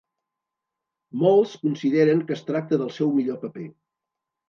Molts consideren que es tracta del seu millor paper.